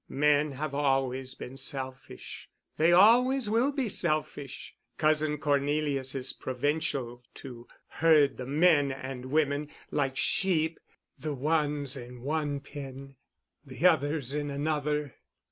Men have always been selfish—they always will be selfish. Cousin Cornelius is provincial to herd the men and women—like sheep—the ones in one pen, the others in another.